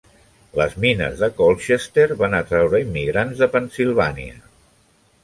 Les mines de Colchester van atraure immigrants de Pennsilvània.